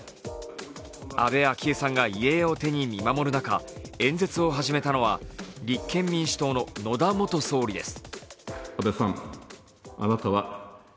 安倍昭恵さんが遺影を手に見守る中演説を始めたのは立憲民主党の野田元総理です。